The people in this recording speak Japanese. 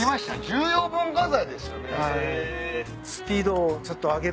重要文化財ですよ皆さん。